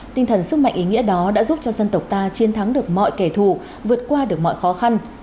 tinh thần sức mạnh ý nghĩa đó đã giúp cho dân tộc ta chiến thắng được mọi kẻ thù vượt qua được mọi khó khăn